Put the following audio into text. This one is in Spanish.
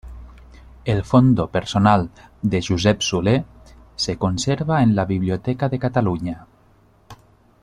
El fondo personal de Josep Soler se conserva en la Biblioteca de Cataluña.